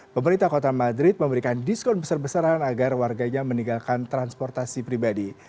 pemerintah kota madrid memberikan diskon besar besaran agar warganya meninggalkan transportasi pribadi